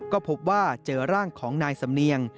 ก็พบว่าเจอร่างของนายสำเนียง